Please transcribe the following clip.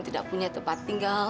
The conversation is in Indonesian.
tidak punya tempat tinggal